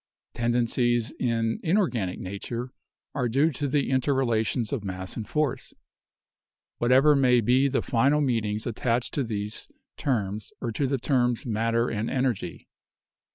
Tendencies in inorganic nature are due to the interrelations of mass and force, whatever may be the final meanings attached to these terms or to the terms matter and energy.